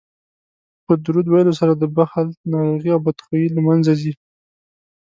په درود ویلو سره د بخل ناروغي او بدخويي له منځه ځي